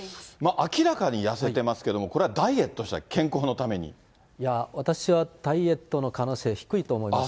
明らかに痩せてますけれども、これはダイエットした、私はダイエットの可能性は低いと思います。